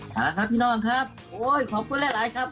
น่าล่ะค่ะพี่น้องครับโอ้โหขอบคุณแรกครับ